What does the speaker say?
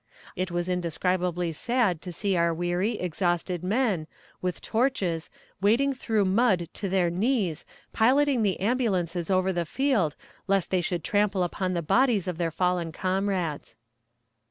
It was indescribably sad to see our weary, exhausted men, with torches, wading through mud to their knees piloting the ambulances over the field, lest they should trample upon the bodies of their fallen comrades.